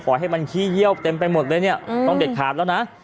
ให้มันขี้เยี่ยวเต็มไปหมดเลยเนี่ยต้องเด็ดขาดแล้วนะ